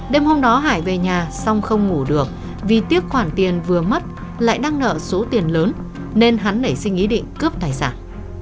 đêm hôm đó hải về nhà xong không ngủ được vì tiếc khoản tiền vừa mất lại đang nợ số tiền lớn nên hắn nảy sinh ý định cướp tài sản